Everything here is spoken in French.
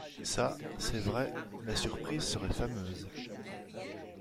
Ça, c’est vrai, la surprise serait fameuse...